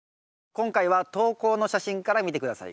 今回は投稿の写真から見て下さい。